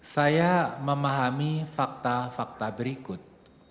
saya memahami fakta fakta berikut